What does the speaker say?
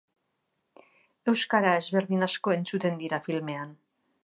Euskara ezberdin asko entzuten dira filmean.